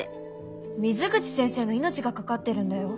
水口先生の命がかかってるんだよ？